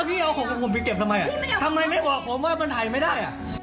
ไม่เอาของของผมไปเก็บทำไมทำไมไม่ออกของผมว่ามันถ่ายไม่ได้